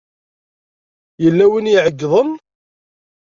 Yella win i iɛeyyḍen.